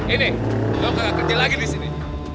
ini lo gak kerja lagi disini